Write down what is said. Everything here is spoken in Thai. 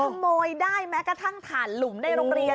ขโมยได้แม้กระทั่งถ่านหลุมในโรงเรียน